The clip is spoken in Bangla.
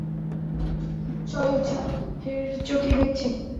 সবাই উৎসাহের সাথে দেখছে।